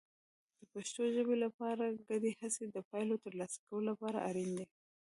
د پښتو ژبې لپاره ګډې هڅې د پایلو ترلاسه کولو لپاره اړین دي.